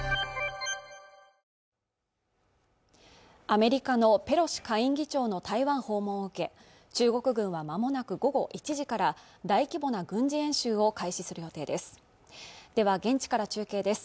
アメリカのペロシ下院議長の台湾訪問を受け中国軍はまもなく午後１時から大規模な軍事演習を開始する予定ですでは現地から中継です